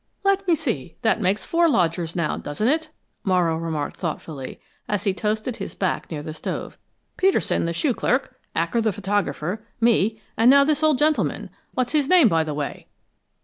"Let me see; that makes four lodgers now, doesn't it?" Morrow remarked thoughtfully, as he toasted his back near the stove. "Peterson, the shoe clerk; Acker, the photographer; me and now this old gentleman. What's his name, by the way?"